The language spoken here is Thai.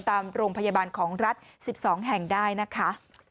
ตามโรงพยาบาลของรัฐ๑๒แห่งได้นะคะ